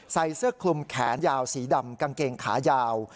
ใส่เสื้อคลุมแขนยาวสีดำกางเกงขายาว